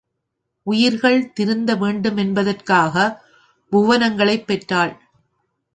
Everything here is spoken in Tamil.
உயிர்கள் திருந்த வேண்டுமென்பதற்காகப் புவனங்களைப் பெற்றாள்.